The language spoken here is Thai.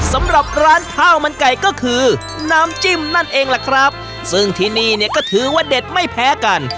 สำหรับร้านข้าวมันไก่ก็คือน้ำจิ้มนั่นเองล่ะครับซึ่งที่นี่เนี่ยก็ถือว่าเด็ดไม่แพ้กัน